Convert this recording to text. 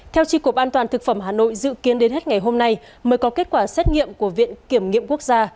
theo tri cục an toàn thực phẩm hà nội dự kiến đến hết ngày hôm nay mới có kết quả xét nghiệm của viện kiểm nghiệm quốc gia